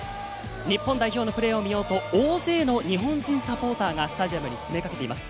日本代表のプレーを見ようと大勢の日本人サポーターがスタジアムに詰めかけています。